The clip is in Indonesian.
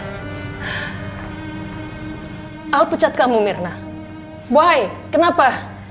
hai al pecat kamu mirna boy kenapa